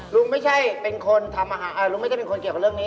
ลุงไม่ใช่เป็นคนทำอาหารลุงไม่ได้เป็นคนเกี่ยวกับเรื่องนี้